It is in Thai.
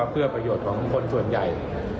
เพื่อประโยชน์ของคนส่วนใหญ่